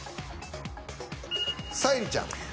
沙莉ちゃん。